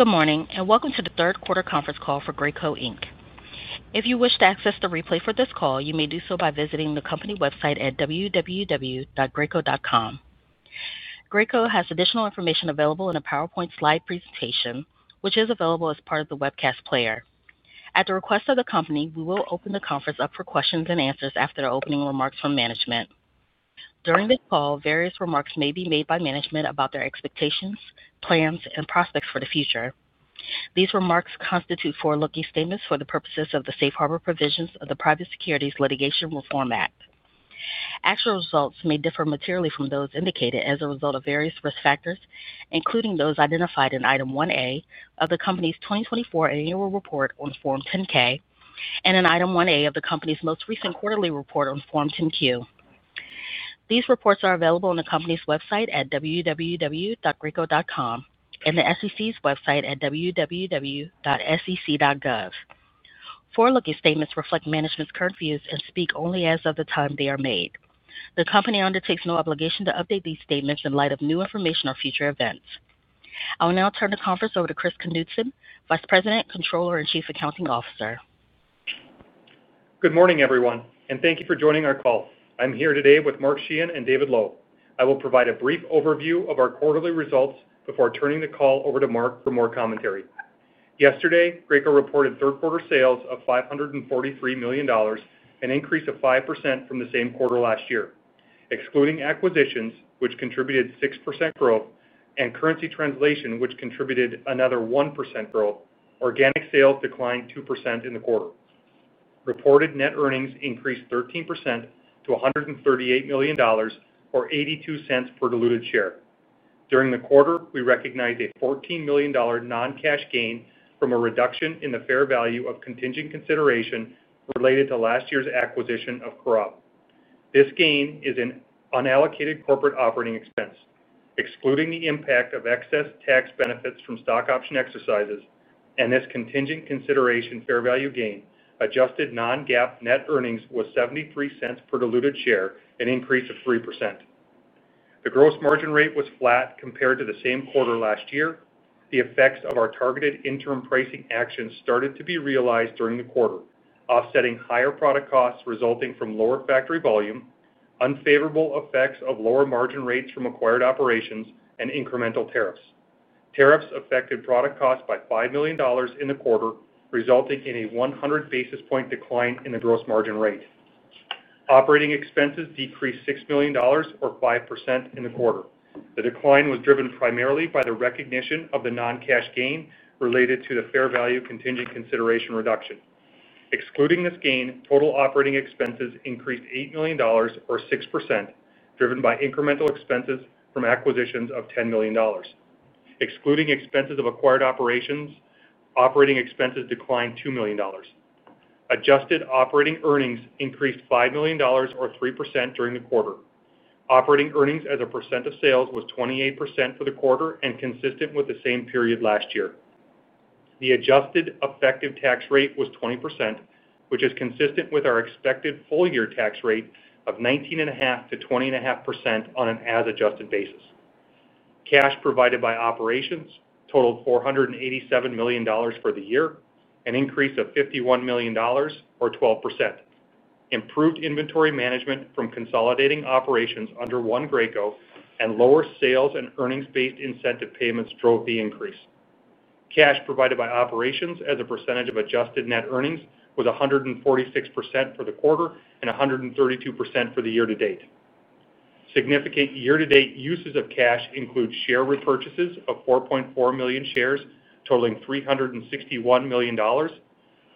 Good morning and welcome to the third quarter conference call for Graco Inc. If you wish to access the replay for this call, you may do so by visiting the company website at www.graco.com. Graco has additional information available in a PowerPoint slide presentation, which is available as part of the webcast player. At the request of the company, we will open the conference up for questions and answers after the opening remarks from management. During this call, various remarks may be made by management about their expectations, plans, and prospects for the future. These remarks constitute forward-looking statements for the purposes of the safe harbor provisions of the Private Securities Litigation Reform Act. Actual results may differ materially from those indicated as a result of various risk factors, including those identified in Item 1A of the company's 2024 annual report on Form 10-K and in Item 1A of the company's most recent quarterly report on Form 10-Q. These reports are available on the company's website at www.graco.com and the SEC's website at www.sec.gov. Forward-looking statements reflect management's current views and speak only as of the time they are made. The company undertakes no obligation to update these statements in light of new information or future events. I will now turn the conference over to Christopher Knutson, Vice President, Controller, and Chief Accounting Officer. Good morning, everyone, and thank you for joining our call. I'm here today with Mark Sheahan and David Lowe. I will provide a brief overview of our quarterly results before turning the call over to Mark for more commentary. Yesterday, Graco reported third-quarter sales of $543 million, an increase of 5% from the same quarter last year. Excluding acquisitions, which contributed 6% growth, and currency translation, which contributed another 1% growth, organic sales declined 2% in the quarter. Reported net earnings increased 13% to $138 million or $0.82 per diluted share. During the quarter, we recognized a $14 million non-cash gain from a reduction in the fair value of contingent consideration related to last year's acquisition of Corob. This gain is an unallocated corporate operating expense. Excluding the impact of excess tax benefits from stock option exercises and this contingent consideration fair value gain, adjusted non-GAAP net earnings was $0.73 per diluted share, an increase of 3%. The gross margin rate was flat compared to the same quarter last year. The effects of our targeted interim pricing action started to be realized during the quarter, offsetting higher product costs resulting from lower factory volume, unfavorable effects of lower margin rates from acquired operations, and incremental tariffs. Tariffs affected product costs by $5 million in the quarter, resulting in a 100 basis point decline in the gross margin rate. Operating expenses decreased $6 million or 5% in the quarter. The decline was driven primarily by the recognition of the non-cash gain related to the fair value contingent consideration reduction. Excluding this gain, total operating expenses increased $8 million or 6%, driven by incremental expenses from acquisitions of $10 million. Excluding expenses of acquired operations, operating expenses declined $2 million. Adjusted operating earnings increased $5 million or 3% during the quarter. Operating earnings as a percent of sales was 28% for the quarter and consistent with the same period last year. The adjusted effective tax rate was 20%, which is consistent with our expected full-year tax rate of 19.5%-20.5% on an as-adjusted basis. Cash provided by operations totaled $487 million for the year, an increase of $51 million or 12%. Improved inventory management from consolidating operations under One Graco and lower sales and earnings-based incentive payments drove the increase. Cash provided by operations as a percentage of adjusted net earnings was 146% for the quarter and 132% for the year to date. Significant year-to-date uses of cash include share repurchases of 4.4 million shares, totaling $361 million,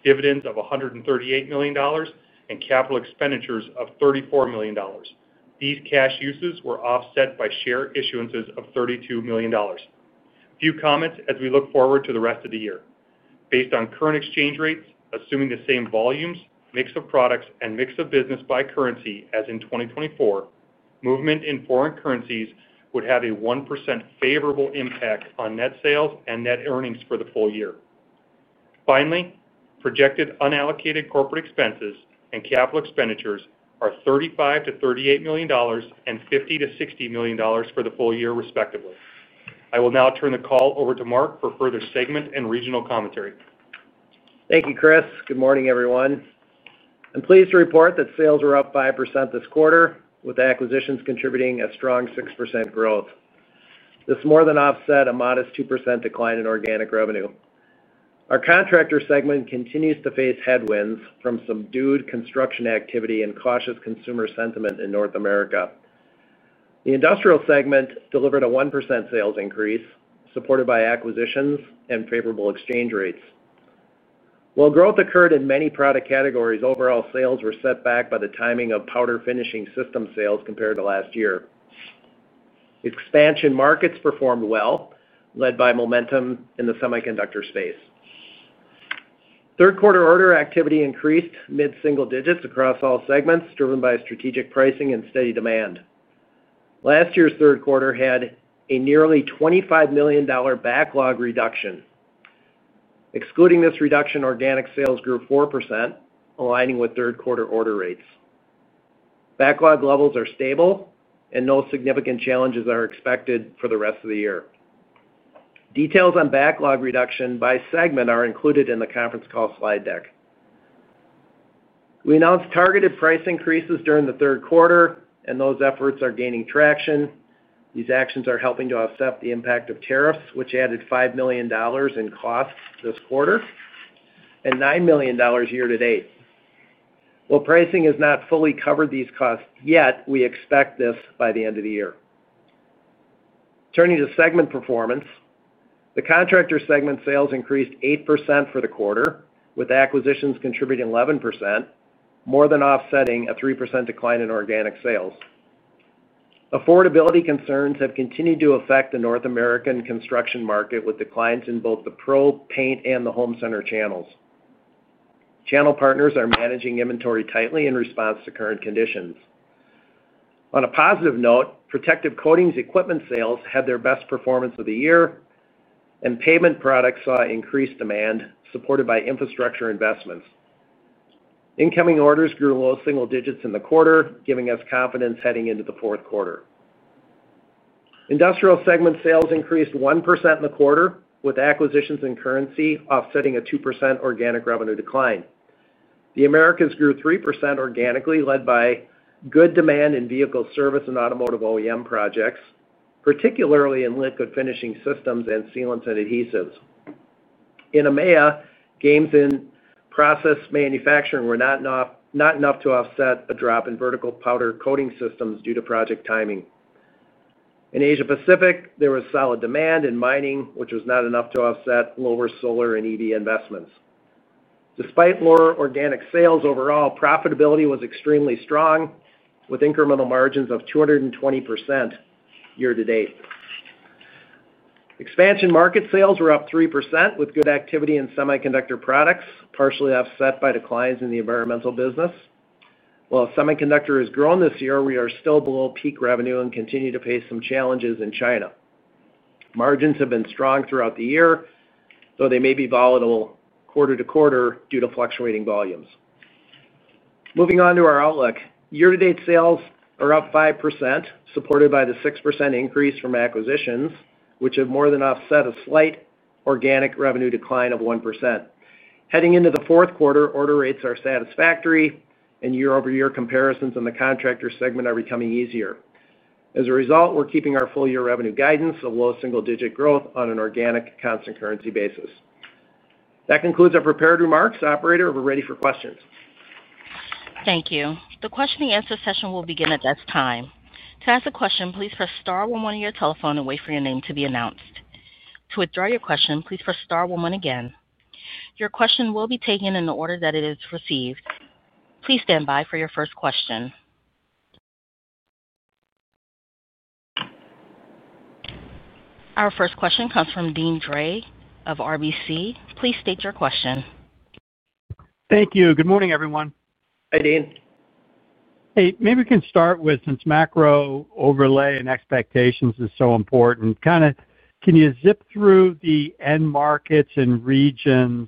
dividends of $138 million, and capital expenditures of $34 million. These cash uses were offset by share issuances of $32 million. Few comments as we look forward to the rest of the year. Based on current exchange rates, assuming the same volumes, mix of products, and mix of business by currency as in 2024, movement in foreign currencies would have a 1% favorable impact on net sales and net earnings for the full year. Finally, projected unallocated corporate expenses and capital expenditures are $35 million-$38 million and $50 million to $60 million for the full year, respectively. I will now turn the call over to Mark for further segment and regional commentary. Thank you, Chris. Good morning, everyone. I'm pleased to report that sales were up 5% this quarter, with acquisitions contributing a strong 6% growth. This more than offset a modest 2% decline in organic revenue. Our contractor segment continues to face headwinds from some subdued construction activity and cautious consumer sentiment in North America. The industrial segment delivered a 1% sales increase, supported by acquisitions and favorable exchange rates. While growth occurred in many product categories, overall sales were set back by the timing of powder finishing system sales compared to last year. Expansion markets performed well, led by momentum in the semiconductor space. Third-quarter order activity increased mid-single digits across all segments, driven by strategic pricing and steady demand. Last year's third quarter had a nearly $25 million backlog reduction. Excluding this reduction, organic sales grew 4%, aligning with third-quarter order rates. Backlog levels are stable, and no significant challenges are expected for the rest of the year. Details on backlog reduction by segment are included in the conference call slide deck. We announced targeted price increases during the third quarter, and those efforts are gaining traction. These actions are helping to offset the impact of tariffs, which added $5 million in costs this quarter and $9 million year to date. While pricing has not fully covered these costs yet, we expect this by the end of the year. Turning to segment performance, the contractor segment sales increased 8% for the quarter, with acquisitions contributing 11%, more than offsetting a 3% decline in organic sales. Affordability concerns have continued to affect the North American construction market, with declines in both the Pro Paint and the Home Center channels. Channel partners are managing inventory tightly in response to current conditions. On a positive note, protective coatings equipment sales had their best performance of the year, and pavement products saw increased demand, supported by infrastructure investments. Incoming orders grew low single digits in the quarter, giving us confidence heading into the fourth quarter. Industrial segment sales increased 1% in the quarter, with acquisitions and currency offsetting a 2% organic revenue decline. The Americas grew 3% organically, led by good demand in vehicle service and automotive OEM projects, particularly in liquid finishing systems and sealants and adhesives. In EMEA, gains in process manufacturing were not enough to offset a drop in vertical powder coating systems due to project timing. In Asia Pacific, there was solid demand in mining, which was not enough to offset lower solar and EV investments. Despite lower organic sales overall, profitability was extremely strong, with incremental margins of 220% year to date. Expansion market sales were up 3%, with good activity in semiconductor products, partially offset by declines in the environmental business. While semiconductor has grown this year, we are still below peak revenue and continue to face some challenges in China. Margins have been strong throughout the year, though they may be volatile quarter to quarter due to fluctuating volumes. Moving on to our outlook, year-to-date sales are up 5%, supported by the 6% increase from acquisitions, which have more than offset a slight organic revenue decline of 1%. Heading into the fourth quarter, order rates are satisfactory, and year-over-year comparisons in the contractor segment are becoming easier. As a result, we're keeping our full-year revenue guidance of low single-digit growth on an organic constant currency basis. That concludes our prepared remarks. Operator, we're ready for questions. Thank you. The question and answer session will begin at this time. To ask a question, please press star one on your telephone and wait for your name to be announced. To withdraw your question, please press star one one again. Your question will be taken in the order that it is received. Please stand by for your first question. Our first question comes from Deane Dray of RBC. Please state your question. Thank you. Good morning, everyone. Hi, Dean. Maybe we can start with, since macro overlay and expectations are so important, can you zip through the end markets and regions,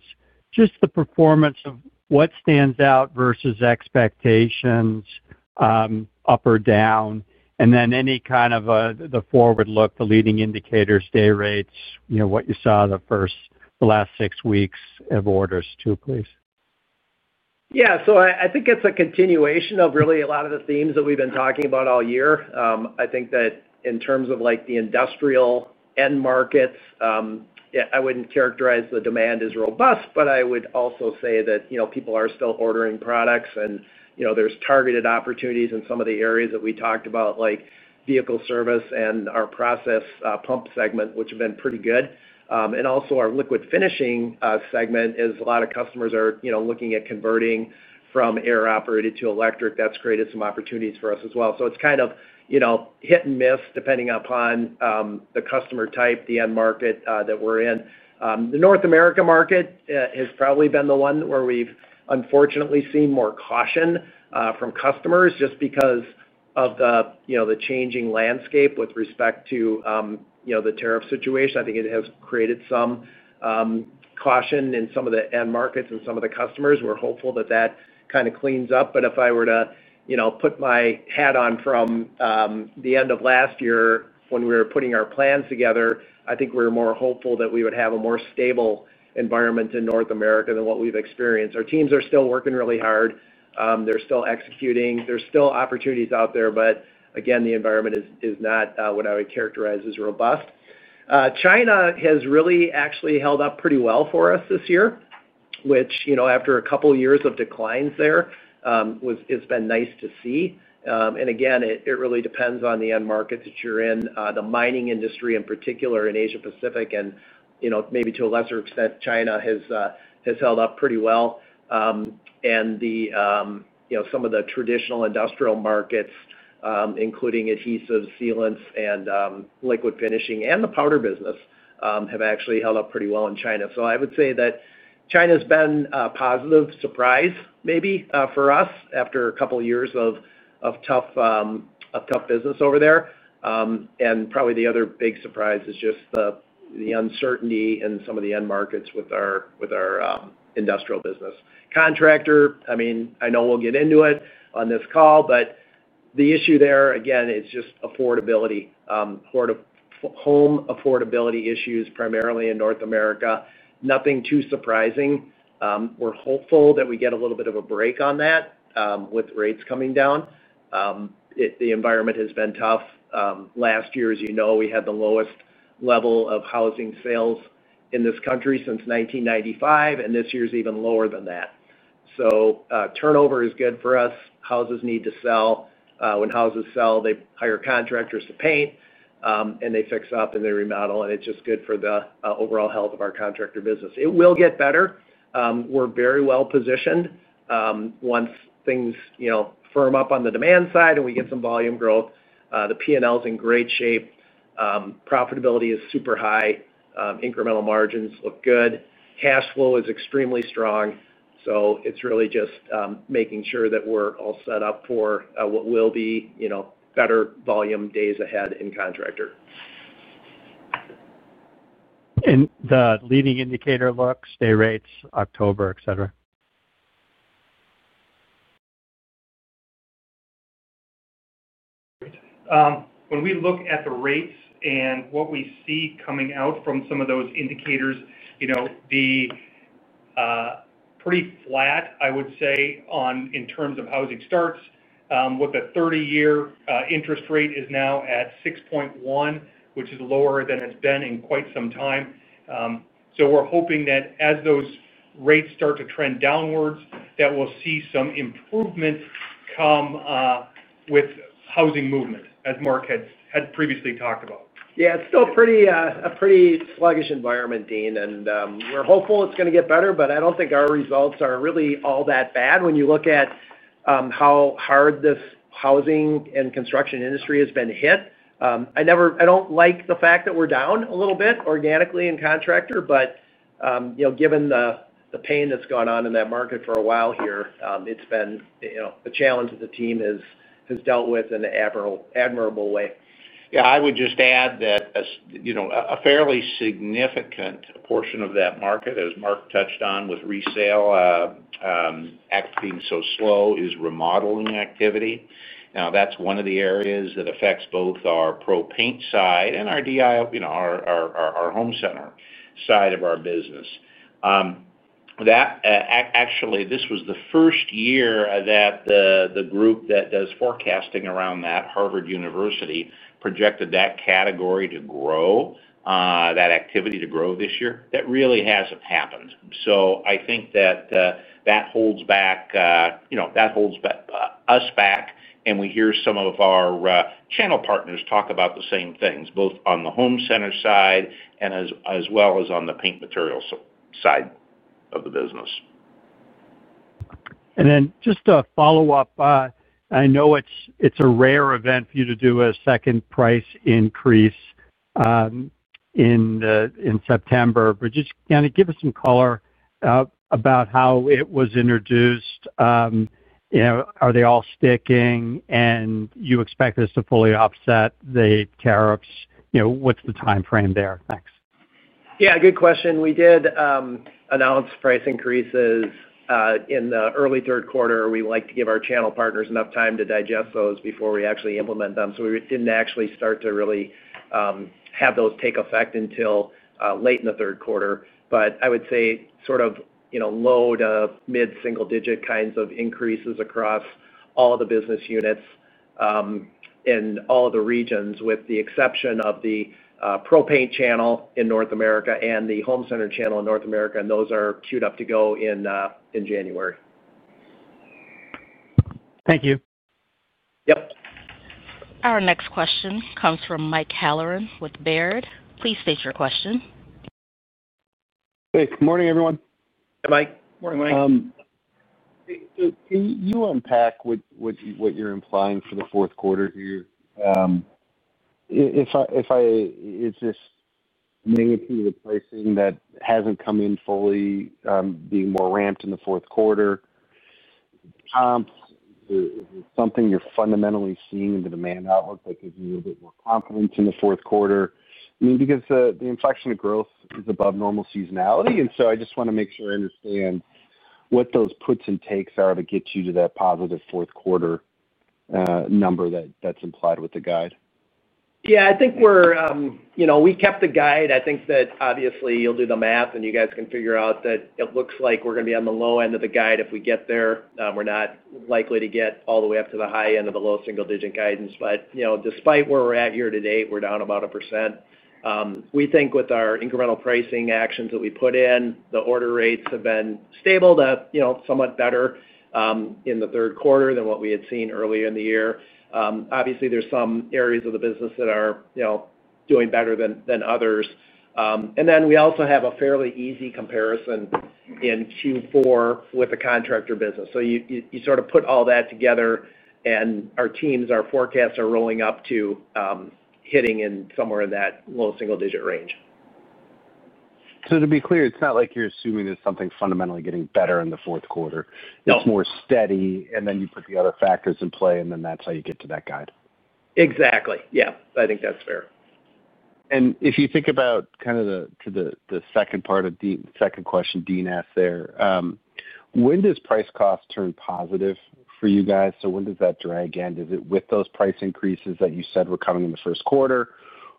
just the performance of what stands out versus expectations, up or down, and then any kind of the forward look, the leading indicators, day rates, what you saw the first, the last six weeks of orders too, please. Yeah, so I think it's a continuation of really a lot of the themes that we've been talking about all year. I think that in terms of the industrial end markets, I wouldn't characterize the demand as robust, but I would also say that people are still ordering products and there's targeted opportunities in some of the areas that we talked about, like vehicle service and our process pump segment, which have been pretty good. Also, our liquid finishing segment is a lot of customers are looking at converting from air operated to electric. That's created some opportunities for us as well. It's kind of hit and miss depending upon the customer type, the end market that we're in. The North America market has probably been the one where we've unfortunately seen more caution from customers just because of the changing landscape with respect to the tariff situation. I think it has created some caution in some of the end markets and some of the customers. We're hopeful that that kind of cleans up. If I were to put my hat on from the end of last year when we were putting our plans together, I think we were more hopeful that we would have a more stable environment in North America than what we've experienced. Our teams are still working really hard, they're still executing, there's still opportunities out there, but again, the environment is not what I would characterize as robust. China has really actually held up pretty well for us this year, which after a couple of years of declines there, it's been nice to see. Again, it really depends on the end market that you're in. The mining industry in particular in Asia Pacific and maybe to a lesser extent, China, has held up pretty well. Some of the traditional industrial markets, including adhesives, sealants, and liquid finishing and the powder business, have actually held up pretty well in China. I would say that China's been a positive surprise, maybe, for us after a couple of years of tough business over there. Probably the other big surprise is just the uncertainty in some of the end markets with our industrial business. Contractor, I mean, I know we'll get into it on this call, but the issue there, again, it's just affordability, home affordability issues primarily in North America. Nothing too surprising. We're hopeful that we get a little bit of a break on that, with rates coming down. The environment has been tough. Last year, as you know, we had the lowest level of housing sales in this country since 1995, and this year is even lower than that. Turnover is good for us. Houses need to sell. When houses sell, they hire contractors to paint, and they fix up and they remodel, and it's just good for the overall health of our contractor business. It will get better. We're very well positioned. Once things, you know, firm up on the demand side and we get some volume growth, the P&L is in great shape. Profitability is super high. Incremental margins look good. Cash flow is extremely strong. It's really just making sure that we're all set up for what will be, you know, better volume days ahead in contractor. The leading indicator look, stay rates, October, et cetera. When we look at the rates and what we see coming out from some of those indicators, pretty flat, I would say, in terms of housing starts. The 30-year interest rate is now at 6.1%, which is lower than it's been in quite some time. We're hoping that as those rates start to trend downwards, we'll see some improvement come with housing movement, as Mark had previously talked about. Yeah, it's still a pretty sluggish environment, Deane, and we're hopeful it's going to get better, but I don't think our results are really all that bad when you look at how hard this housing and construction industry has been hit. I don't like the fact that we're down a little bit organically in contractor, but, you know, given the pain that's gone on in that market for a while here, it's been a challenge that the team has dealt with in an admirable way. Yeah, I would just add that, you know, a fairly significant portion of that market, as Mark touched on, with resale activity being so slow, is remodeling activity. Now, that's one of the areas that affects both our Pro Paint side and our DIY, you know, our Home Center side of our business. Actually, this was the first year that the group that does forecasting around that, Harvard University, projected that category to grow, that activity to grow this year. That really hasn't happened. I think that holds us back, and we hear some of our channel partners talk about the same things, both on the Home Center side as well as on the paint materials side of the business. Just a follow-up, I know it's a rare event for you to do a second price increase in September, but just kind of give us some color about how it was introduced. Are they all sticking and do you expect this to fully offset the tariffs? What's the timeframe there? Thanks. Yeah, good question. We did announce price increases in the early third quarter. We like to give our channel partners enough time to digest those before we actually implement them. We didn't actually start to really have those take effect until late in the third quarter. I would say sort of low to mid-single-digit kinds of increases across all the business units and all of the regions, with the exception of the Pro Paint channel in North America and the Home Center channel in North America, and those are queued up to go in in January. Thank you. Yep. Our next question comes from Mike Halloran with Baird. Please state your question. Hey, good morning, everyone. Hi, Mike. Morning, Mike. Can you unpack what you're implying for the fourth quarter here? Is this magnitude of pricing that hasn't come in fully being more ramped in the fourth quarter? Is it something you're fundamentally seeing in the demand outlook that gives you a little bit more confidence in the fourth quarter? I mean, because the inflection of growth is above normal seasonality, and I just want to make sure I understand what those puts and takes are to get you to that positive fourth quarter number that's implied with the guide. Yeah, I think we kept the guide. I think that obviously you'll do the math and you guys can figure out that it looks like we're going to be on the low end of the guide if we get there. We're not likely to get all the way up to the high end of the low single-digit guidance, but despite where we're at here today, we're down about 1%. We think with our incremental pricing actions that we put in, the order rates have been stable to somewhat better in the third quarter than what we had seen earlier in the year. Obviously, there's some areas of the business that are doing better than others. We also have a fairly easy comparison in Q4 with the contractor business. You sort of put all that together and our teams, our forecasts are rolling up to hitting in somewhere in that low single-digit range. To be clear, it's not like you're assuming there's something fundamentally getting better in the fourth quarter. It's more steady, and then you put the other factors in play, and then that's how you get to that guide. Exactly. Yeah, I think that's fair. If you think about the second part of the second question Deane asked there, when does price cost turn positive for you guys? When does that drag in? Is it with those price increases that you said were coming in the first quarter?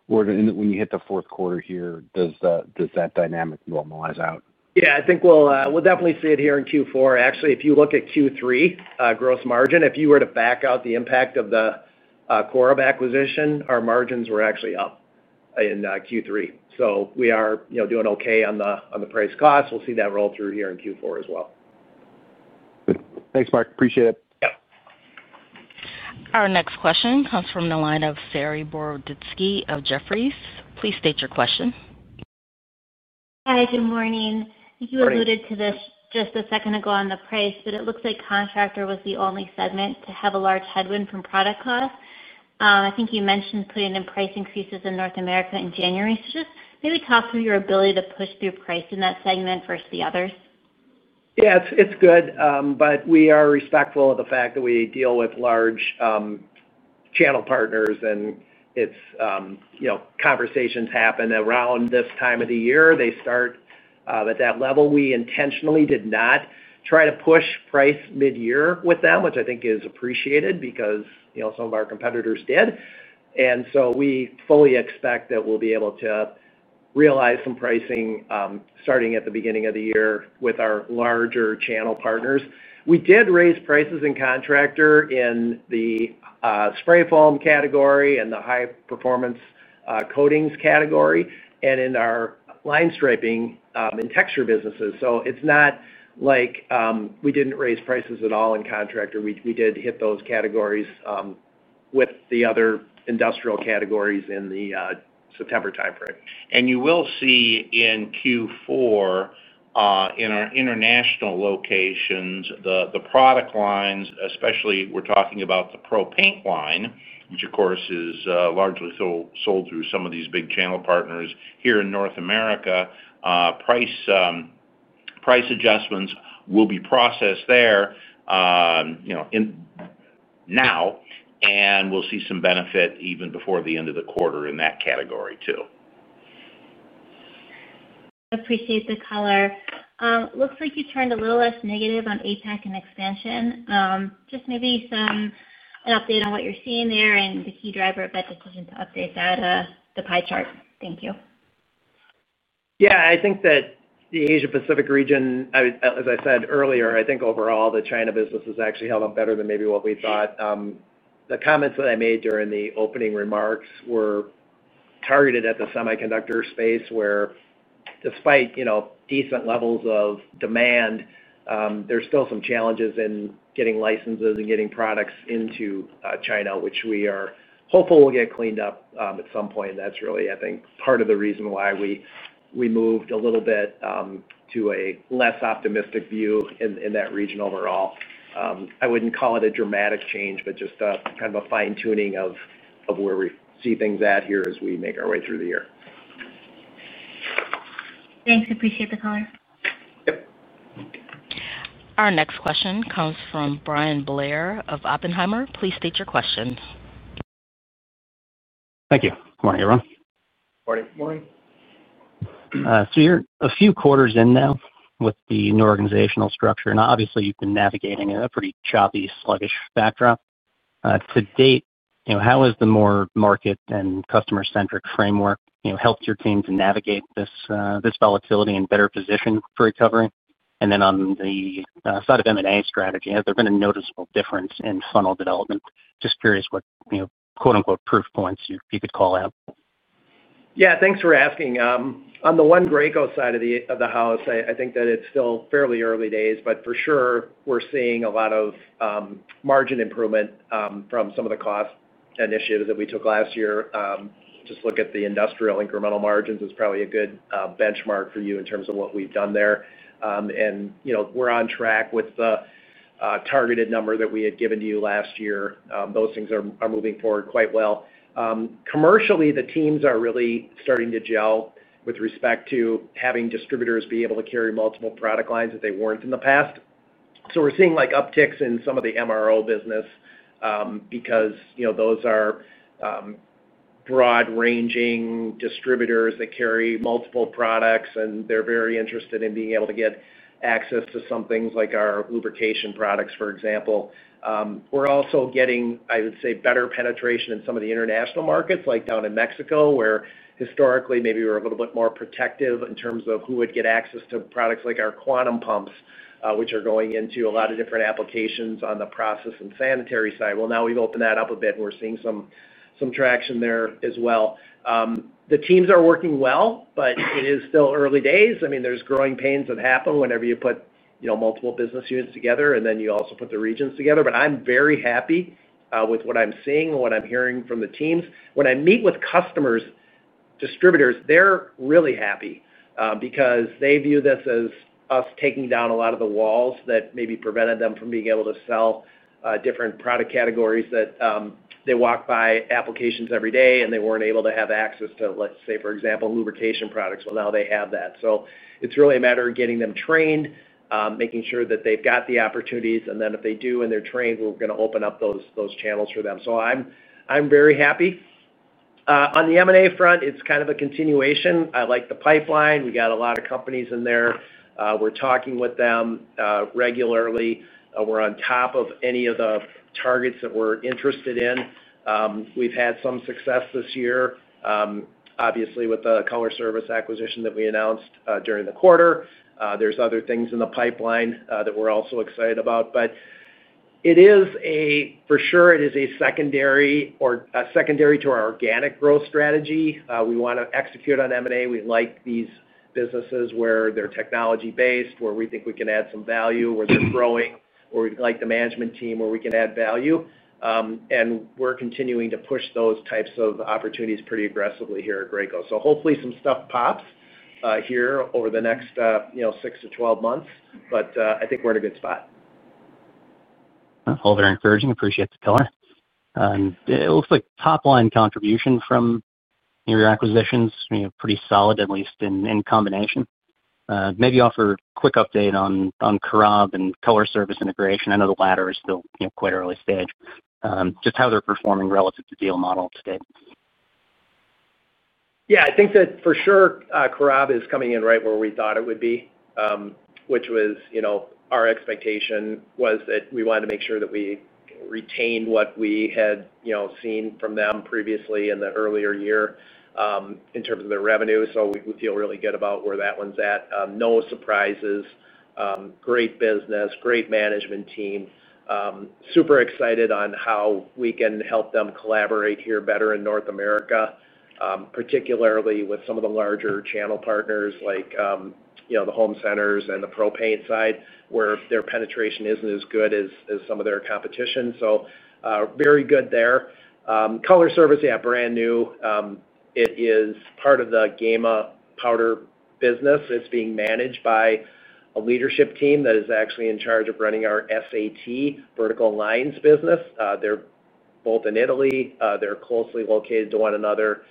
When you hit the fourth quarter here, does that dynamic normalize out? I think we'll definitely see it here in Q4. Actually, if you look at Q3 gross margin, if you were to back out the impact of the Corob acquisition, our margins were actually up in Q3. We are, you know, doing okay on the price cost. We'll see that roll through here in Q4 as well. Thanks, Mark. Appreciate it. Yeah. Our next question comes from the line of Saree Boroditsky of Jefferies. Please state your question. Hi, good morning. You alluded to this just a second ago on the price, but it looks like contractor was the only segment to have a large headwind from product cost. I think you mentioned putting in pricing fees in North America in January. Maybe talk through your ability to push through price in that segment versus the others. Yeah, it's good. We are respectful of the fact that we deal with large channel partners, and it's, you know, conversations happen around this time of the year. They start at that level. We intentionally did not try to push price mid-year with them, which I think is appreciated because, you know, some of our competitors did. We fully expect that we'll be able to realize some pricing, starting at the beginning of the year with our larger channel partners. We did raise prices in contractor in the spray foam category and the high-performance coatings category and in our line striping and texture businesses. It's not like we didn't raise prices at all in contractor. We did hit those categories, with the other industrial categories in the September timeframe. You will see in Q4, in our international locations, the product lines, especially we're talking about the Pro Paint line, which of course is largely sold through some of these big channel partners here in North America. Price adjustments will be processed there now, and we'll see some benefit even before the end of the quarter in that category too. Appreciate the color. Looks like you turned a little less negative on APAC and expansion. Just maybe some an update on what you're seeing there and the key driver of that decision to update that, the pie chart. Thank you. Yeah, I think that the Asia Pacific region, as I said earlier, I think overall the China business is actually held up better than maybe what we thought. The comments that I made during the opening remarks were targeted at the semiconductor space where, despite decent levels of demand, there's still some challenges in getting licenses and getting products into China, which we are hopeful will get cleaned up at some point. That's really, I think, part of the reason why we moved a little bit to a less optimistic view in that region overall. I wouldn't call it a dramatic change, but just a kind of a fine-tuning of where we see things at here as we make our way through the year. Thanks. Appreciate the color. Yep. Our next question comes from Bryan Blair of Oppenheimer. Please state your question. Thank you. Good morning, everyone. Morning. Morning. You're a few quarters in now with the new organizational structure, and obviously, you've been navigating in a pretty choppy, sluggish backdrop. To date, how has the more market and customer-centric framework helped your team to navigate this volatility and better position for recovery? On the side of M&A strategy, has there been a noticeable difference in funnel development? Just curious what "proof points" you could call out. Yeah, thanks for asking. On the One Graco side of the house, I think that it's still fairly early days, but for sure, we're seeing a lot of margin improvement from some of the cost initiatives that we took last year. Just look at the industrial incremental margins as probably a good benchmark for you in terms of what we've done there, and you know, we're on track with the targeted number that we had given to you last year. Those things are moving forward quite well. Commercially, the teams are really starting to gel with respect to having distributors be able to carry multiple product lines that they weren't in the past. We're seeing upticks in some of the MRO business because those are broad-ranging distributors that carry multiple products, and they're very interested in being able to get access to some things like our lubrication products, for example. We're also getting, I would say, better penetration in some of the international markets, like down in Mexico, where historically, maybe we're a little bit more protective in terms of who would get access to products like our quantum pumps, which are going into a lot of different applications on the process and sanitary side. Now we've opened that up a bit, and we're seeing some traction there as well. The teams are working well, but it is still early days. I mean, there's growing pains that happen whenever you put multiple business units together, and then you also put the regions together. I'm very happy with what I'm seeing and what I'm hearing from the teams. When I meet with customers, distributors, they're really happy because they view this as us taking down a lot of the walls that maybe prevented them from being able to sell different product categories that they walk by applications every day, and they weren't able to have access to, let's say, for example, lubrication products. Now they have that. It's really a matter of getting them trained, making sure that they've got the opportunities, and then if they do and they're trained, we're going to open up those channels for them. I'm very happy. On the M&A front, it's kind of a continuation. I like the pipeline. We got a lot of companies in there. We're talking with them regularly. We're on top of any of the targets that we're interested in. We've had some success this year, obviously, with the Color Service acquisition that we announced during the quarter. There are other things in the pipeline that we're also excited about. It is, for sure, a secondary to our organic growth strategy. We want to execute on M&A. We like these businesses where they're technology-based, where we think we can add some value, where they're growing, where we like the management team, where we can add value. We're continuing to push those types of opportunities pretty aggressively here at Graco. Hopefully, some stuff pops here over the next, you know, 6 to 12 months. I think we're in a good spot. All very encouraging. Appreciate the color. It looks like top-line contribution from your acquisitions is pretty solid, at least in combination. Maybe offer a quick update on Corob and Color Service integration. I know the latter is still quite early stage. Just how they're performing relative to deal model today. Yeah, I think that for sure, Corob is coming in right where we thought it would be, which was, you know, our expectation was that we wanted to make sure that we retained what we had seen from them previously in the earlier year, in terms of their revenue. We feel really good about where that one's at. No surprises. Great business, great management team. Super excited on how we can help them collaborate here better in North America, particularly with some of the larger channel partners like, you know, the Home Centers and the Pro Paint side, where their penetration isn't as good as some of their competition. Very good there. Color Service, yeah, brand new. It is part of the Gama powder business. It's being managed by a leadership team that is actually in charge of running our SAT vertical lines business. They're both in Italy. They're closely located to one another.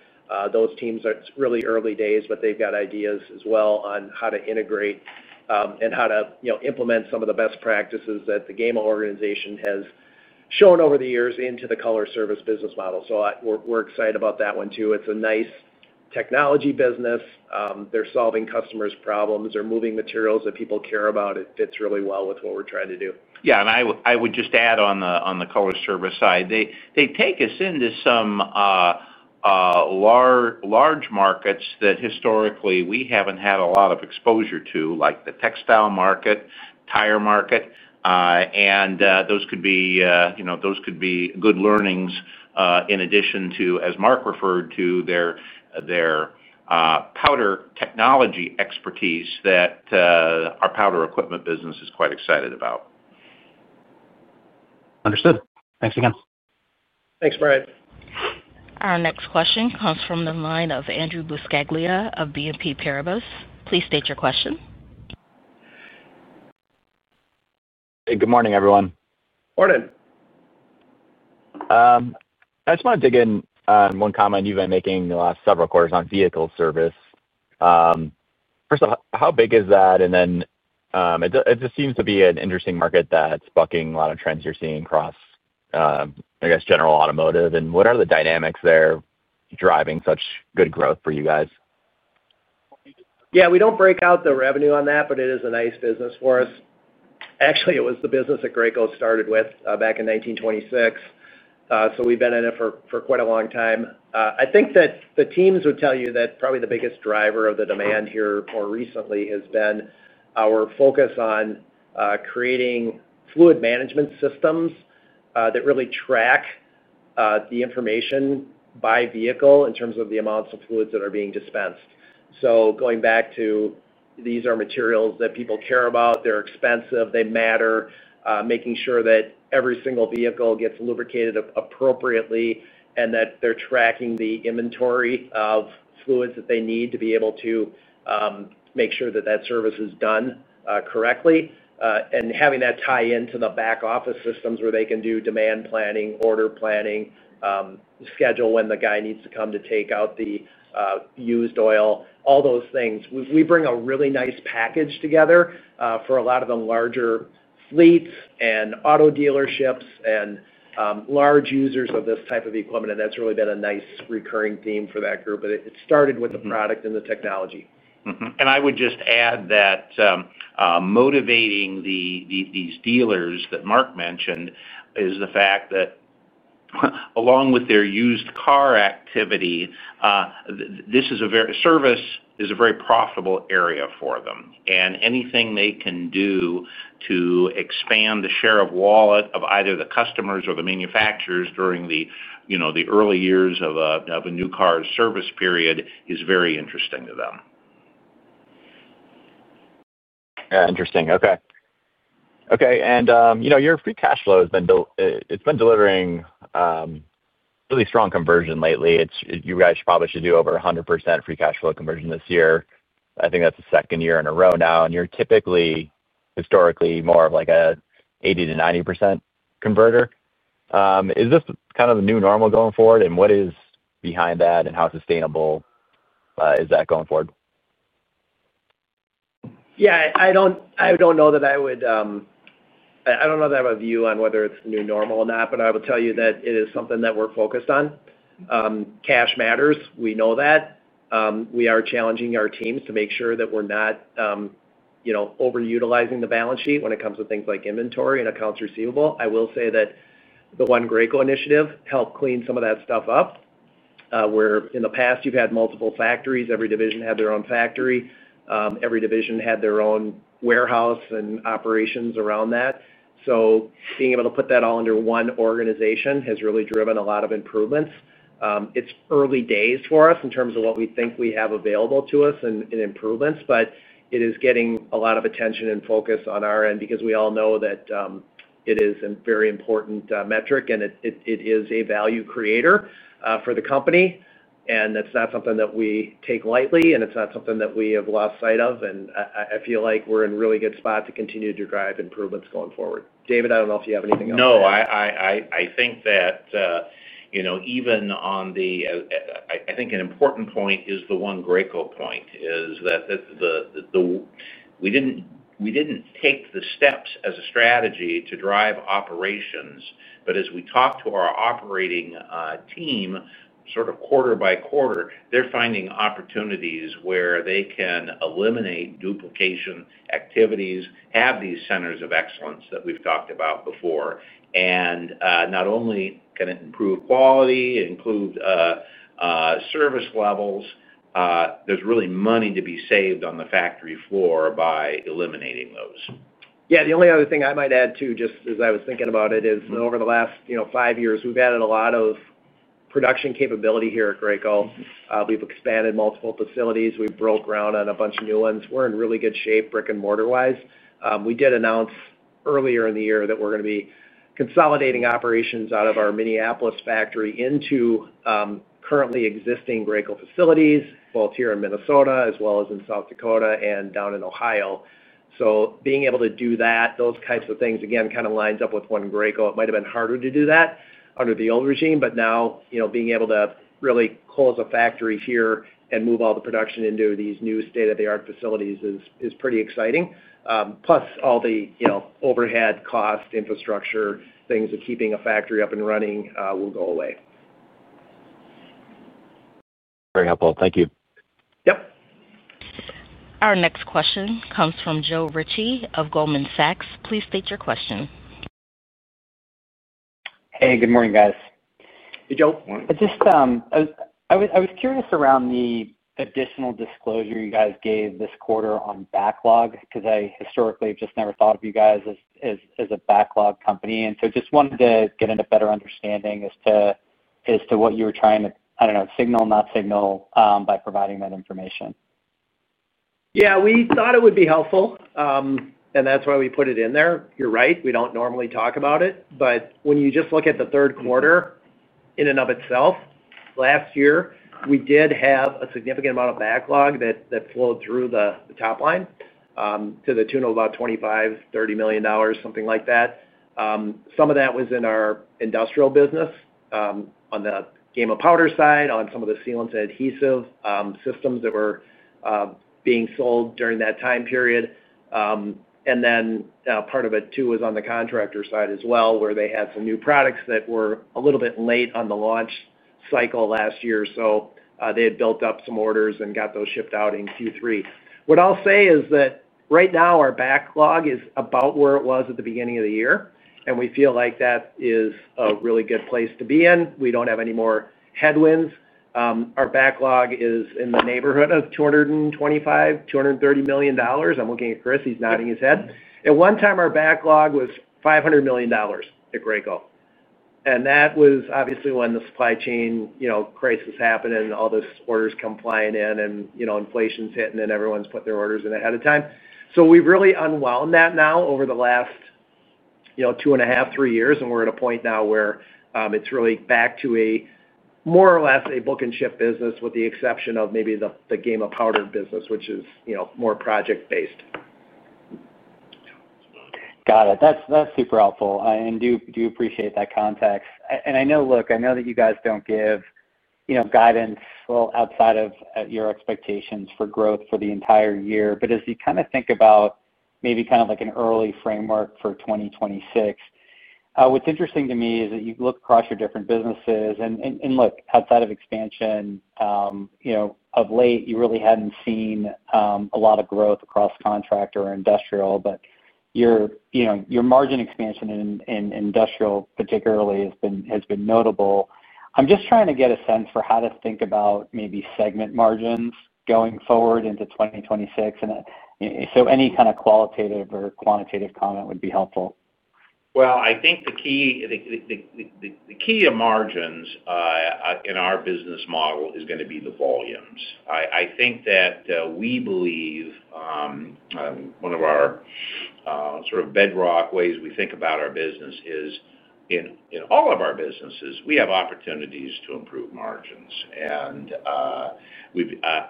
Those teams are really early days, but they've got ideas as well on how to integrate, and how to implement some of the best practices that the Gama organization has shown over the years into the Color Service business model. We're excited about that one too. It's a nice technology business. They're solving customers' problems. They're moving materials that people care about. It fits really well with what we're trying to do. Yeah, I would just add on the Color Service side, they take us into some large markets that historically we haven't had a lot of exposure to, like the textile market and tire market. Those could be good learnings, in addition to, as Mark referred to, their powder technology expertise that our powder equipment business is quite excited about. Understood. Thanks again. Thanks, Bryan. Our next question comes from the line of Andrew Buscaglia of BNP Paribas. Please state your question. Hey, good morning, everyone. Morning. I just want to dig in on one comment you've been making the last several quarters on vehicle service. First off, how big is that? It just seems to be an interesting market that's bucking a lot of trends you're seeing across, I guess, general automotive. What are the dynamics there driving such good growth for you guys? Yeah, we don't break out the revenue on that, but it is a nice business for us. Actually, it was the business that Graco started with, back in 1926. We've been in it for quite a long time. I think that the teams would tell you that probably the biggest driver of the demand here more recently has been our focus on creating fluid management systems that really track the information by vehicle in terms of the amounts of fluids that are being dispensed. These are materials that people care about. They're expensive. They matter. Making sure that every single vehicle gets lubricated appropriately and that they're tracking the inventory of fluids that they need to be able to make sure that that service is done correctly, and having that tie into the back office systems where they can do demand planning, order planning, schedule when the guy needs to come to take out the used oil, all those things. We bring a really nice package together for a lot of the larger fleets and auto dealerships and large users of this type of equipment. That's really been a nice recurring theme for that group. It started with the product and the technology. I would just add that motivating these dealers that Mark mentioned is the fact that, along with their used car activity, this is a very service is a very profitable area for them. Anything they can do to expand the share of wallet of either the customers or the manufacturers during the early years of a new car's service period is very interesting to them. Yeah, interesting. Okay. Your free cash flow has been built, it's been delivering really strong conversion lately. You guys probably should do over 100% free cash flow conversion this year. I think that's the second year in a row now. You're typically historically more of like an 80% to 90% converter. Is this kind of the new normal going forward? What is behind that and how sustainable is that going forward? I don't know that I would, I don't know that I have a view on whether it's the new normal or not, but I will tell you that it is something that we're focused on. Cash matters. We know that. We are challenging our teams to make sure that we're not overutilizing the balance sheet when it comes to things like inventory and accounts receivable. I will say that the One Graco initiative helped clean some of that stuff up, where in the past you've had multiple factories, every division had their own factory, every division had their own warehouse and operations around that. Being able to put that all under one organization has really driven a lot of improvements. It's early days for us in terms of what we think we have available to us and improvements, but it is getting a lot of attention and focus on our end because we all know that it is a very important metric and it is a value creator for the company. That's not something that we take lightly and it's not something that we have lost sight of. I feel like we're in a really good spot to continue to drive improvements going forward. David, I don't know if you have anything else. No, I think that, you know, even on the, I think an important point is the One Graco point. This is the, we didn't take the steps as a strategy to drive operations. As we talk to our operating team, sort of quarter by quarter, they're finding opportunities where they can eliminate duplication activities, have these centers of excellence that we've talked about before. Not only can it improve quality, include service levels, there's really money to be saved on the factory floor by eliminating those. Yeah, the only other thing I might add too, just as I was thinking about it, is over the last, you know, five years, we've added a lot of production capability here at Graco. We've expanded multiple facilities. We broke ground on a bunch of new ones. We're in really good shape brick-and-mortar-wise. We did announce earlier in the year that we're going to be consolidating operations out of our Minneapolis factory into currently existing Graco facilities, both here in Minnesota, as well as in South Dakota and down in Ohio. Being able to do that, those types of things, again, kind of lines up with One Graco. It might have been harder to do that under the old regime, but now, you know, being able to really close a factory here and move all the production into these new state-of-the-art facilities is pretty exciting. Plus all the, you know, overhead cost infrastructure, things of keeping a factory up and running, will go away. Very helpful. Thank you. Yep. Our next question comes from Joe Ritchie of Goldman Sachs. Please state your question. Hey, good morning, guys. Hey, Joe. I was curious around the additional disclosure you guys gave this quarter on backlog because I historically have just never thought of you guys as a backlog company. I just wanted to get into better understanding as to what you were trying to, I don't know, signal, not signal, by providing that information. Yeah, we thought it would be helpful, and that's why we put it in there. You're right. We don't normally talk about it. When you just look at the third quarter in and of itself, last year, we did have a significant amount of backlog that flowed through the top line, to the tune of about $25 million, $30 million, something like that. Some of that was in our industrial business, on the Gama powder side, on some of the sealants and adhesive systems that were being sold during that time period. Part of it too was on the contractor side as well, where they had some new products that were a little bit late on the launch cycle last year. They had built up some orders and got those shipped out in Q3. What I'll say is that right now our backlog is about where it was at the beginning of the year, and we feel like that is a really good place to be in. We don't have any more headwinds. Our backlog is in the neighborhood of $225 million, $230 million. I'm looking at Chris. He's nodding his head. At one time, our backlog was $500 million at Graco. That was obviously when the supply chain crisis happened and all these orders come flying in and inflation's hitting and everyone's putting their orders in ahead of time. We've really unwound that now over the last two and a half, three years, and we're at a point now where it's really back to a more or less a book and ship business with the exception of maybe the Gama powder business, which is more project-based. Got it. That's super helpful. I do appreciate that context. I know that you guys don't give guidance, outside of your expectations for growth for the entire year. As you kind of think about maybe kind of like an early framework for 2026, what's interesting to me is that you look across your different businesses and, look, outside of expansion, you know, of late, you really hadn't seen a lot of growth across contractor or industrial, but your margin expansion in industrial particularly has been notable. I'm just trying to get a sense for how to think about maybe segment margins going forward into 2026. Any kind of qualitative or quantitative comment would be helpful. I think the key to margins in our business model is going to be the volumes. I think that we believe one of our sort of bedrock ways we think about our business is in all of our businesses, we have opportunities to improve margins.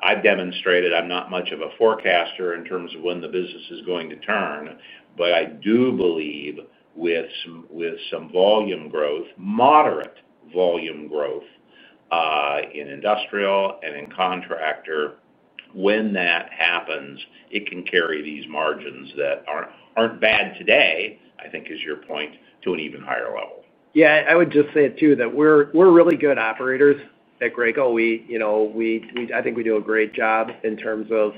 I've demonstrated I'm not much of a forecaster in terms of when the business is going to turn, but I do believe with some volume growth, moderate volume growth, in industrial and in contractor, when that happens, it can carry these margins that aren't bad today, I think is your point, to an even higher level. Yeah, I would just say it too, that we're really good operators at Graco. We, you know, we, I think we do a great job in terms of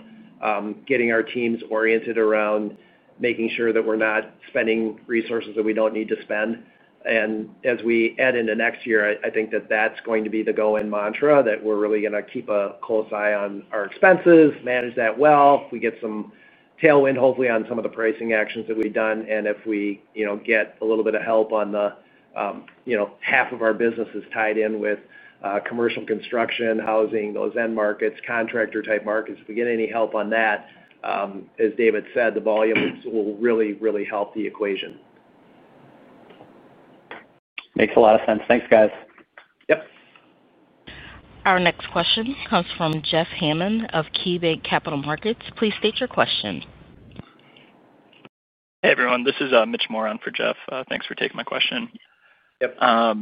getting our teams oriented around making sure that we're not spending resources that we don't need to spend. As we add into next year, I think that that's going to be the going mantra that we're really going to keep a close eye on our expenses, manage that well. If we get some tailwind, hopefully, on some of the pricing actions that we've done, and if we get a little bit of help on the, you know, half of our business is tied in with commercial construction, housing, those end markets, contractor-type markets. If we get any help on that, as David said, the volume will really, really help the equation. Makes a lot of sense. Thanks, guys. Yep. Our next question comes from Jeff Hammond of KeyBanc Capital Markets. Please state your question. Hey, everyone. This is Mich Moran for Jeff. Thanks for taking my question. Yep. I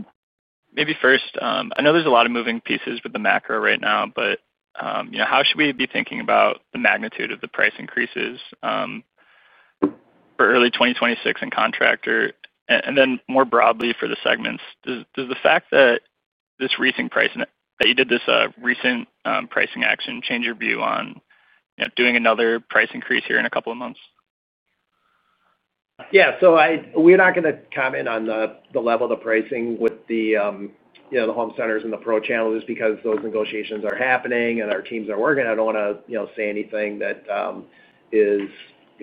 know there's a lot of moving pieces with the macro right now, but how should we be thinking about the magnitude of the price increases for early 2026 in contractor? More broadly for the segments, does the fact that this recent pricing that you did, this recent pricing action, change your view on doing another price increase here in a couple of months? Yeah, we're not going to comment on the level of the pricing with the Home Centers and the Pro Channel just because those negotiations are happening and our teams are working. I don't want to say anything that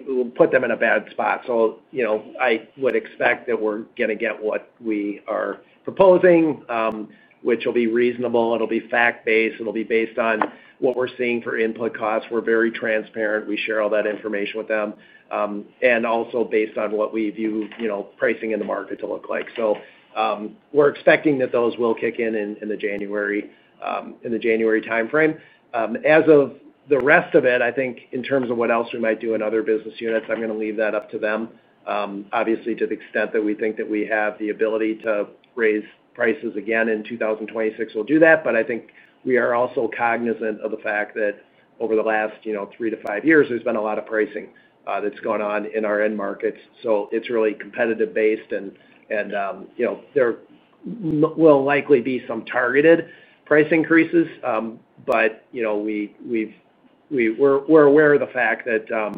will put them in a bad spot. I would expect that we're going to get what we are proposing, which will be reasonable. It'll be fact-based. It'll be based on what we're seeing for input costs. We're very transparent. We share all that information with them, and also based on what we view pricing in the market to look like. We're expecting that those will kick in in the January timeframe. As for the rest of it, I think in terms of what else we might do in other business units, I'm going to leave that up to them. Obviously, to the extent that we think that we have the ability to raise prices again in 2026, we'll do that. I think we are also cognizant of the fact that over the last three to five years, there's been a lot of pricing that's gone on in our end markets. It's really competitive-based and there will likely be some targeted price increases. We've been aware of the fact that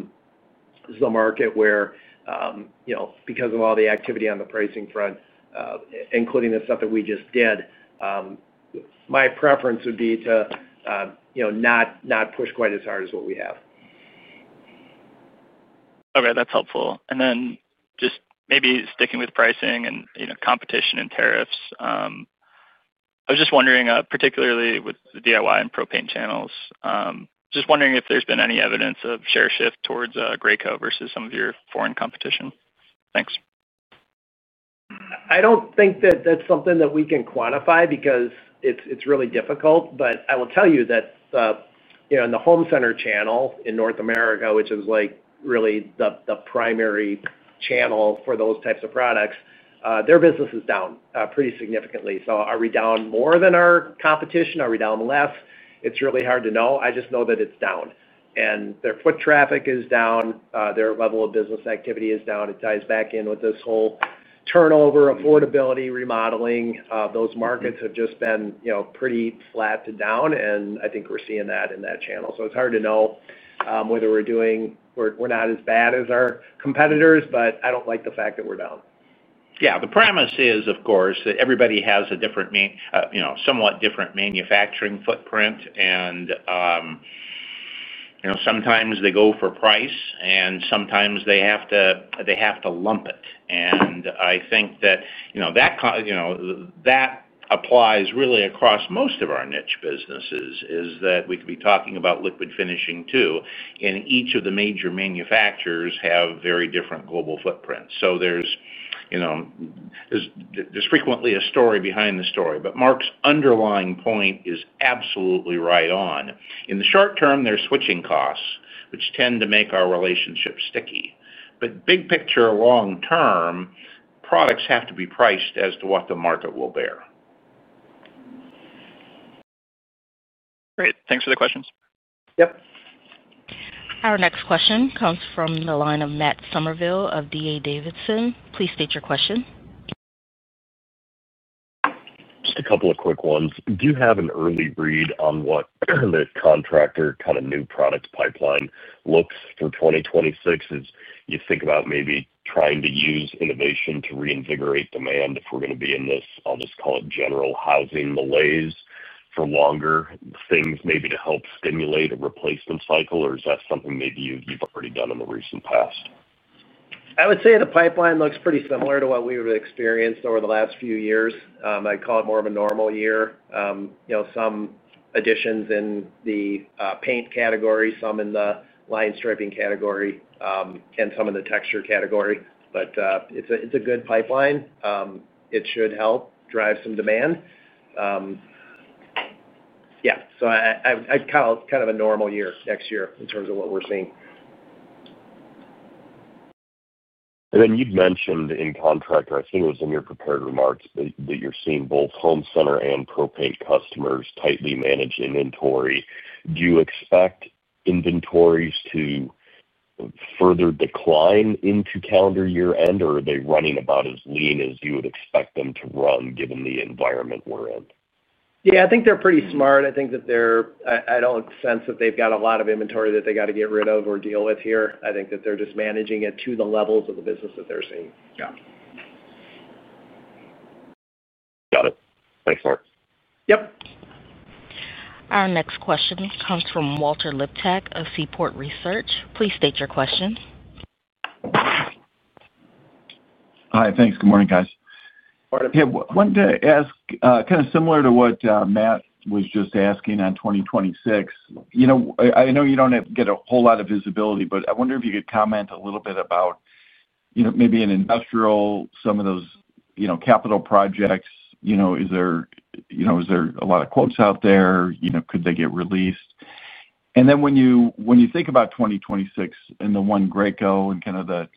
this is a market where, because of all the activity on the pricing front, including the stuff that we just did, my preference would be to not push quite as hard as what we have. Okay, that's helpful. Just maybe sticking with pricing, competition, and tariffs, I was just wondering, particularly with the DIY and Pro Paint channels, if there's been any evidence of share shift towards Graco versus some of your foreign competition. Thanks. I don't think that that's something that we can quantify because it's really difficult. I will tell you that, in the Home Center channel in North America, which is really the primary channel for those types of products, their business is down pretty significantly. Are we down more than our competition? Are we down less? It's really hard to know. I just know that it's down, and their foot traffic is down, their level of business activity is down. It ties back in with this whole turnover, affordability, remodeling. Those markets have just been pretty flat to down, and I think we're seeing that in that channel. It's hard to know whether we're not as bad as our competitors, but I don't like the fact that we're down. Yeah, the premise is, of course, that everybody has a different, you know, somewhat different manufacturing footprint, and sometimes they go for price, and sometimes they have to lump it. I think that applies really across most of our niche businesses, as we could be talking about liquid finishing too, and each of the major manufacturers have very different global footprints. There's frequently a story behind the story. Mark's underlying point is absolutely right on. In the short term, there are switching costs, which tend to make our relationship sticky. Big picture, long term, products have to be priced as to what the market will bear. Great. Thanks for the questions. Yep. Our next question comes from the line of Matt Summerville of D.A. Davidson. Please state your question. Just a couple of quick ones. Do you have an early read on what the contractor kind of new product pipeline looks for 2026? As you think about maybe trying to use innovation to reinvigorate demand if we're going to be in this, I'll just call it general housing malaise for longer, things maybe to help stimulate a replacement cycle, or is that something maybe you've already done in the recent past? I would say the pipeline looks pretty similar to what we've experienced over the last few years. I'd call it more of a normal year. There are some additions in the paint category, some in the line striping category, and some in the texture category. It's a good pipeline. It should help drive some demand. I'd call it kind of a normal year next year in terms of what we're seeing. You mentioned in contractor, I think it was in your prepared remarks, that you're seeing both Home Center and Pro Paint customers tightly manage inventory. Do you expect inventories to further decline into calendar year end, or are they running about as lean as you would expect them to run given the environment we're in? Yeah, I think they're pretty smart. I don't sense that they've got a lot of inventory that they got to get rid of or deal with here. I think that they're just managing it to the levels of the business that they're seeing. Yeah, got it. Thanks, Mark. Yep. Our next question comes from Walter Liptak of Seaport Research. Please state your question. Hi, thanks. Good morning, guys. Morning. Hey, wanted to ask, kind of similar to what Matt was just asking on 2026. I know you don't get a whole lot of visibility, but I wonder if you could comment a little bit about, you know, maybe in industrial, some of those capital projects, you know, is there a lot of quotes out there? Could they get released? When you think about 2026 and the One Graco and kind of the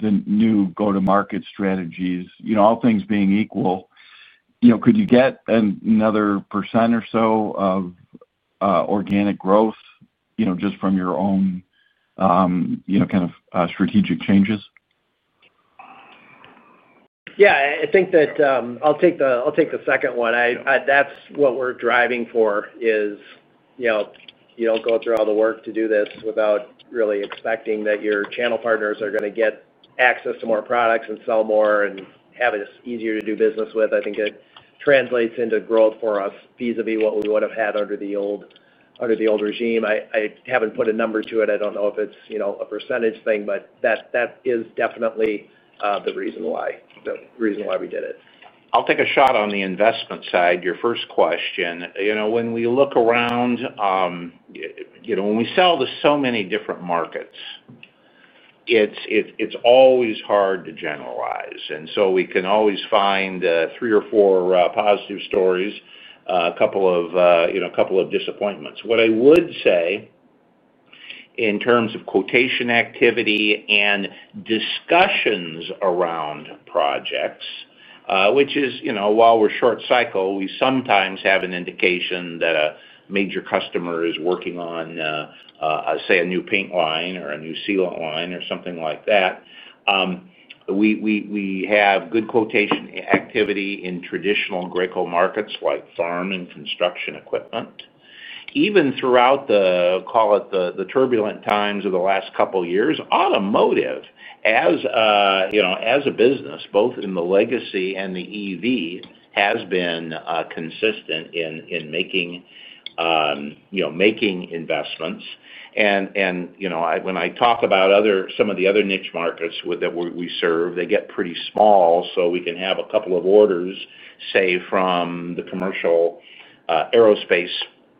new go-to-market strategies, all things being equal, could you get another % or so of organic growth just from your own kind of strategic changes? Yeah, I think that I'll take the second one. That's what we're driving for. You don't go through all the work to do this without really expecting that your channel partners are going to get access to more products and sell more and have it easier to do business with. I think it translates into growth for us vis-à-vis what we would have had under the old regime. I haven't put a number to it. I don't know if it's a percentage thing, but that is definitely the reason why we did it. I'll take a shot on the investment side, your first question. When we look around, when we sell to so many different markets, it's always hard to generalize. We can always find three or four positive stories, a couple of disappointments. What I would say in terms of quotation activity and discussions around projects, which is, while we're short cycle, we sometimes have an indication that a major customer is working on, say, a new paint line or a new sealant line or something like that. We have good quotation activity in traditional Graco Inc. markets like farm and construction equipment. Even throughout the, call it, the turbulent times of the last couple of years, automotive, as a business, both in the legacy and the EV, has been consistent in making investments. When I talk about some of the other niche markets that we serve, they get pretty small. We can have a couple of orders, say, from the commercial aerospace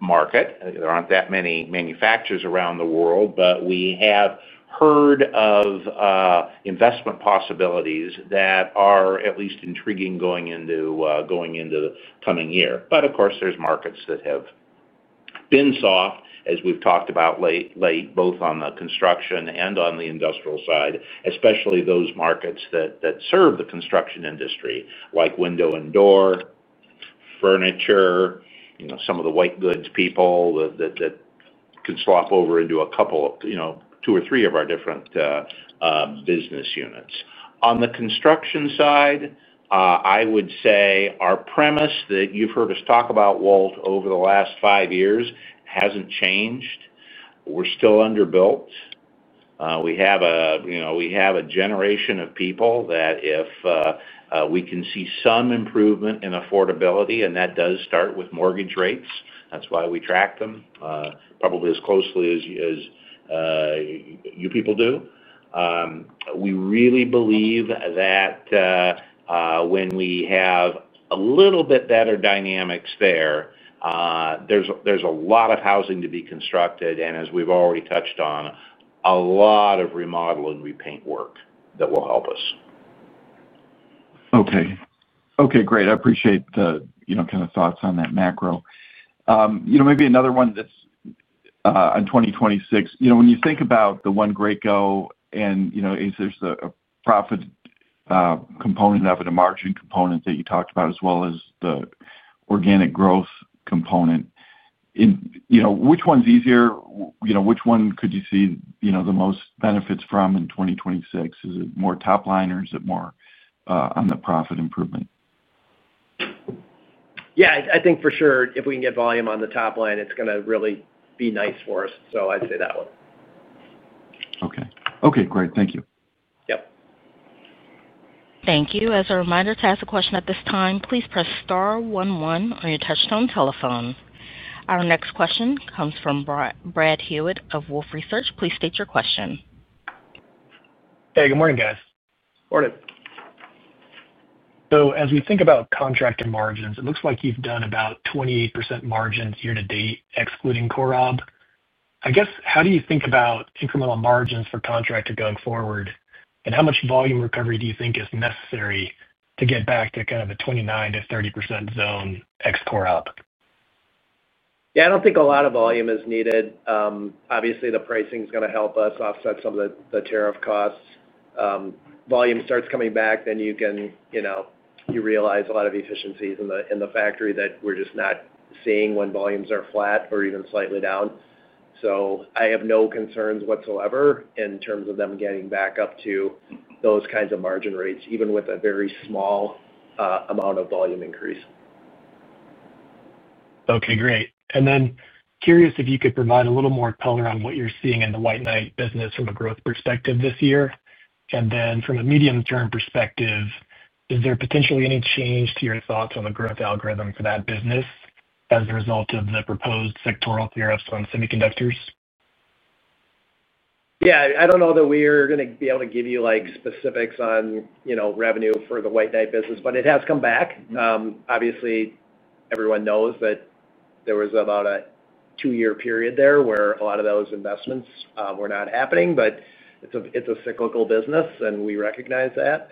market. There aren't that many manufacturers around the world, but we have heard of investment possibilities that are at least intriguing going into the coming year. Of course, there are markets that have been soft, as we've talked about lately, both on the construction and on the industrial side, especially those markets that serve the construction industry, like window and door, furniture, some of the white goods people that can slop over into a couple of our different business units. On the construction side, I would say our premise that you've heard us talk about, Walt, over the last five years hasn't changed. We're still underbuilt. We have a generation of people that if we can see some improvement in affordability, and that does start with mortgage rates. That's why we track them, probably as closely as you people do. We really believe that when we have a little bit better dynamics there, there's a lot of housing to be constructed. As we've already touched on, a lot of remodel and repaint work that will help us. Okay, great. I appreciate the, you know, kind of thoughts on that macro. Maybe another one that's on 2026. You know, when you think about the One Graco and, you know, if there's a profit component of it, a margin component that you talked about, as well as the organic growth component, which one's easier? You know, which one could you see the most benefits from in 2026? Is it more top line or is it more on the profit improvement? I think for sure, if we can get volume on the top line, it's going to really be nice for us. I'd say that one. Okay, great. Thank you. Yep. Thank you. As a reminder, to ask a question at this time, please press star one one on your touch-tone telephone. Our next question comes from Brad Hewitt of Wolfe Research. Please state your question. Hey, good morning, guys. Morning. As we think about contractor margins, it looks like you've done about 28% margins year to date, excluding Corob. I guess, how do you think about incremental margins for contractor going forward, and how much volume recovery do you think is necessary to get back to kind of a 29%-30% zone ex-Corob? Yeah, I don't think a lot of volume is needed. Obviously, the pricing is going to help us offset some of the tariff costs. If volume starts coming back, then you can realize a lot of efficiencies in the factory that we're just not seeing when volumes are flat or even slightly down. I have no concerns whatsoever in terms of them getting back up to those kinds of margin rates, even with a very small amount of volume increase. Okay, great. Could you provide a little more color on what you're seeing in the White Knight business from a growth perspective this year? From a medium-term perspective, is there potentially any change to your thoughts on the growth algorithm for that business as a result of the proposed sectoral tariffs on semiconductors? Yeah, I don't know that we are going to be able to give you specifics on revenue for the White Knight business, but it has come back. Obviously, everyone knows that there was about a two-year period where a lot of those investments were not happening. It's a cyclical business, and we recognize that.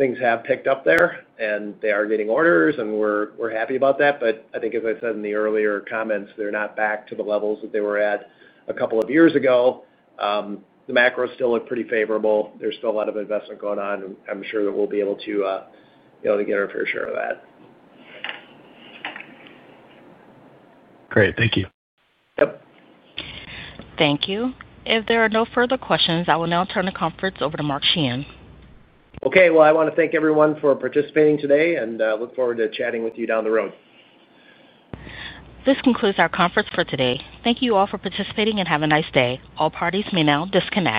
Things have picked up there, and they are getting orders, and we're happy about that. I think, as I said in the earlier comments, they're not back to the levels that they were at a couple of years ago. The macro still looks pretty favorable. There's still a lot of investment going on. I'm sure that we'll be able to get our fair share of that. Great. Thank you. Yep. Thank you. If there are no further questions, I will now turn the conference over to Mark Sheahan. Okay. I want to thank everyone for participating today, and I look forwardto chatting with you down the road. This concludes our conference for today. Thank you all for participating and have a nice day. All parties may now disconnect.